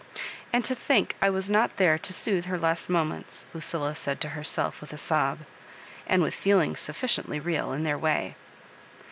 "And to think I was not there to soothe her last moments!" Luciila said to herself, with a sob, and with feel ings sufiQciently real in their way.